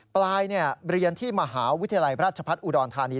ปลายเรียนที่มหาวิทยาลัยราชพัฒน์อุดรธานี